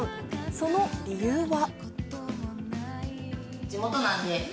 その理由は。